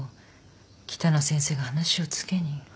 北野先生が話をつけに。